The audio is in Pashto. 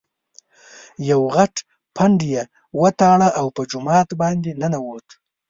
یو غټ پنډ یې وتاړه او په جومات باندې ننوت.